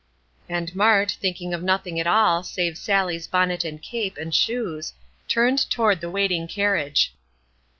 And Mart, thinking of nothing at all, save Sallie's bonnet and cape and shoes, turned toward the waiting carriage.